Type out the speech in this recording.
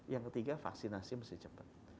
yang ketiga vaksinasi mesti cepat